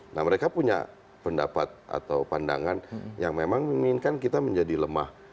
nah mereka punya pendapat atau pandangan yang memang menginginkan kita menjadi lemah